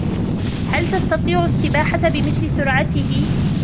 هل تستطيع السباحة بمثل سرعته ؟